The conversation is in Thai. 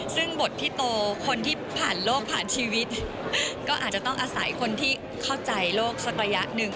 ซึ่งบทที่โตคนที่ผ่านโลกผ่านชีวิตก็อาจจะต้องอาศัยคนที่เข้าใจโลกสักระยะหนึ่ง